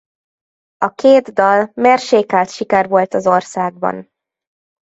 A két dal mérsékelt siker volt az országban.